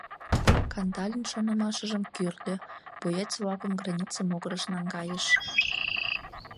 — Кандалин шонымашыжым кӱрльӧ, боец-влакым граница могырыш наҥгайыш.